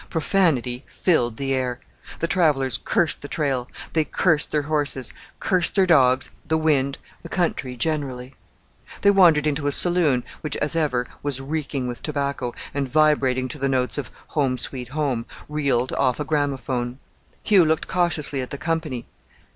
Profanity filled the air. The travellers cursed the trail; they cursed their horses, cursed their dogs, the wind, the country generally. They wandered into a saloon, which, as ever, was reeking with tobacco, and vibrating to the notes of "Home, sweet Home," reeled off on a gramophone. Hugh looked cautiously at the company.